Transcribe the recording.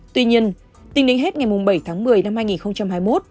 tuy nhiên tính đến hết ngày bảy tháng một mươi năm hai nghìn hai mươi một